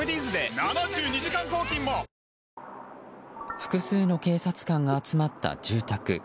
複数の警察官が集まった住宅。